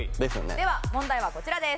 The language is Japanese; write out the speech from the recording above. では問題はこちらです。